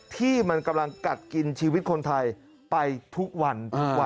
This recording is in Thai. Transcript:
ที่มันกำลังกัดกินชีวิตคนไทยไปทุกวัน